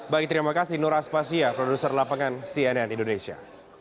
baik terima kasih nur aspasya produser lapangan cnn indonesia